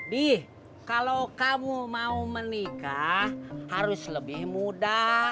bih kalau kamu mau menikah harus lebih muda